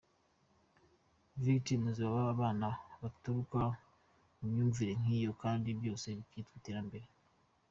Victims baba abana baturuka mumyumvire nk’iyo kandi byose bikitwa iterambere.